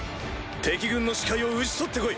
敵軍の首魁を討ち取ってこい！